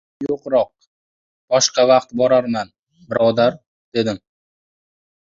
— Mazam yo‘qroq, boshqa vaqt borarman, birodar, — dedim.